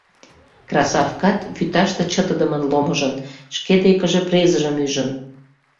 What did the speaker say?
Красавкат вӱташте чытыдымын ломыжын, шке декыже презыжым ӱжын.